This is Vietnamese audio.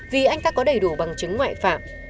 vì anh ta có đầy đủ bằng chứng ngoại phạm